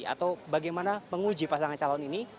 atau bagaimana menguji pasangan calon ini